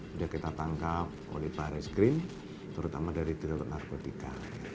sudah kita tangkap oleh para skrin terutama dari dirotot narkotika